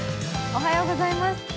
おはようございます。